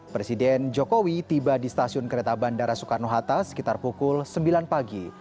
presiden jokowi tiba di stasiun kereta bandara soekarno hatta sekitar pukul sembilan pagi